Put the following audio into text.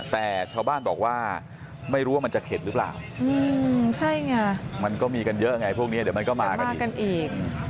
แต่ชาวบ้านบอกว่าไม่รู้ว่ามันจะเข็ดหรือเปล่าใช่ไงมันก็มีกันเยอะไงพวกนี้เดี๋ยวมันก็มากันอีกกันอีก